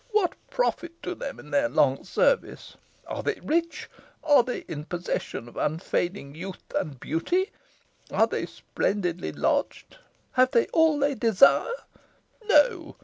What profit to them is their long service? Are they rich? Are they in possession of unfading youth and beauty? Are they splendidly lodged? Have they all they desire? No!